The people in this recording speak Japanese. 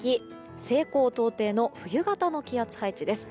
西高東低の冬型の気圧配置です。